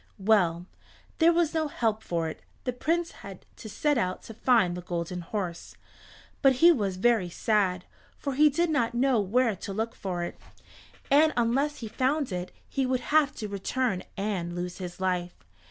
Well, there was no help for it; the Prince had to set out to find the Golden Horse, but he was very sad, for he did not know where to look for it, and unless he found it he would have to return and lose his life.